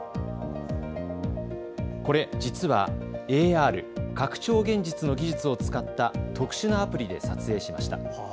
これ、実はＡＲ＝拡張現実の技術を使った特殊なアプリで撮影しました。